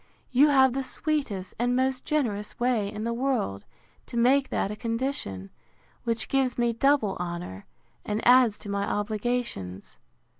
you have the sweetest and most generous way in the world, to make that a condition, which gives me double honour, and adds to my obligations.